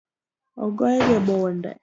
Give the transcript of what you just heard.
Ogoye gi bunde